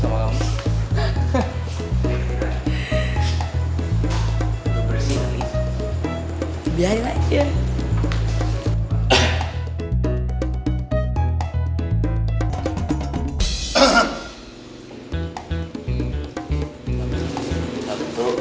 apa lo keperhatian sama lo